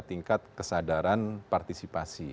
tingkat kesadaran partisipasi